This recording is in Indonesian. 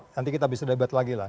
nanti kita bisa debat lagi lah